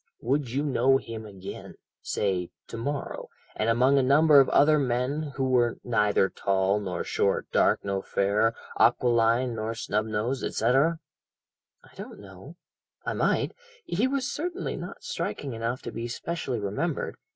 "Would you know him again say to morrow, and among a number of other men who were 'neither tall nor short, dark nor fair, aquiline nor snub nosed,' etc.?" "I don't know I might he was certainly not striking enough to be specially remembered."